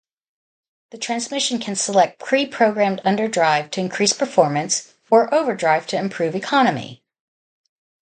The transmission can select pre-programmed underdrive to increase performance, or overdrive to improve economy.